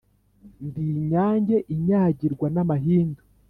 Ndi inyange inyagirwa n’ amahindu